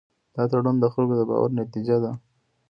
دا تړون د خلکو د باور نتیجه ده.